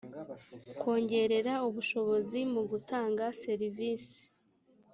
kongerera ubushobozi mu gutanga servisi